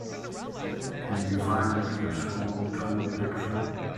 Can you find me the SchoolTool picture?